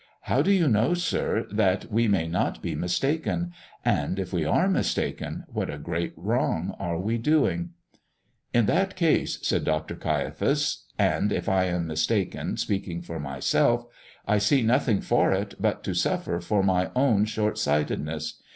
How do you know, sir, that we may not be mistaken? And, if we are mistaken, what a great wrong are we doing!" "In that case," said Dr. Caiaphas, "and, if I am mistaken, speaking for myself, I see nothing for it but to suffer for my own short sightedness.